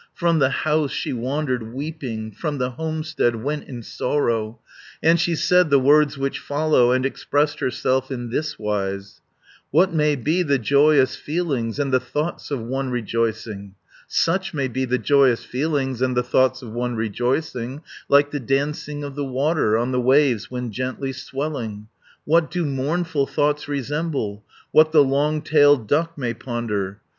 From the house she wandered weeping, From the homestead went in sorrow, And she said the words which follow, And expressed herself in this wise: 'What may be the joyous feelings, And the thoughts of one rejoicing? Such may be the joyous feelings, And the thoughts of one rejoicing; 200 Like the dancing of the water On the waves when gently swelling. What do mournful thoughts resemble? What the long tailed duck may ponder?